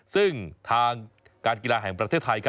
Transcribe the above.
ซึ่งทางการกีฬาแห่งประเทศไทย